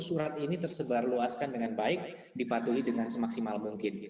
surat ini tersebarluaskan dengan baik dipatuhi dengan semaksimal mungkin